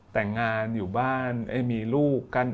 แต่งงานอยู่บ้านมีลูกกัน